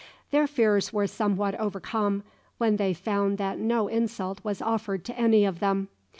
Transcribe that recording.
Their fears were somewhat overcome when they found that no insult was offered to any of them.